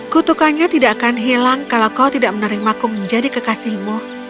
kutukannya tidak akan hilang kalau kau tidak menerimaku menjadi kekasihmu